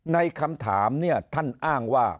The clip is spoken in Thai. ในคำถามเนี่ยท่านอ้างว่า